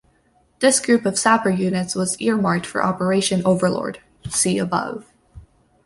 This group of sapper units was earmarked for Operation Overlord ("see above").